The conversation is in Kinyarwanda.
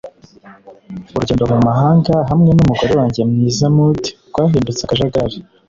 urugendo mumahanga hamwe numugore wanjye mwiza maude rwahindutse akajagari